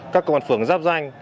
các công an phường giáp danh